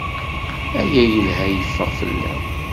Aya yella yeffeɣ fell-am.